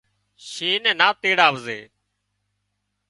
شينهن نين نا تيڙاوزي